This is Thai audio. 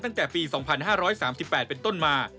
ตั้งแต่ปี๒๕๓๘เป็นต้นมา